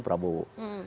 pertama tahun prabowo